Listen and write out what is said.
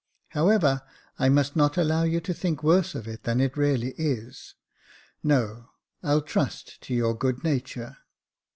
However, I must not allow you to think worse of it than it really is ; no, I'll trust to your good nature.